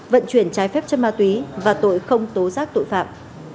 vận chuyển trái phép chân ma túy và tội không tố giác tội phạm